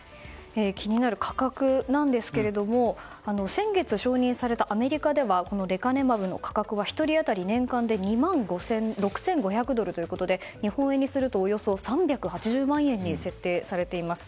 気になる価格なんですけども先月承認されたアメリカではレカネマブの価格は１人当たり年間で２万６５００ドルということで日本円にするとおよそ３８０万円に設定されています。